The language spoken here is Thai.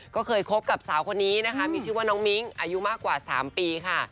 ก็เคยคบกับสาวคนนี้นะคะมีชื่อว่าน้องมิ้งอายุมากกว่า๓ปีค่ะ